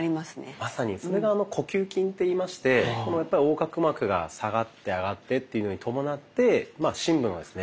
まさにそれが「呼吸筋」といいまして横隔膜が下がって上がってというのに伴って深部のですね